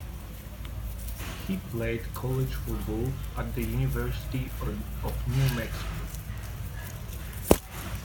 He played college football at the University of New Mexico.